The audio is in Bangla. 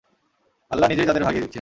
আল্লাহ নিজেই যাদের ভাগিয়ে দিচ্ছেন।